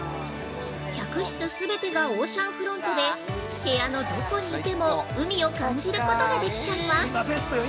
客室全てがオーシャンフロントで、部屋のどこにいても海を感じることができちゃいます。